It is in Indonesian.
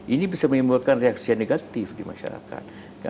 ini bisa menimbulkan reaksian negatif di masyarakat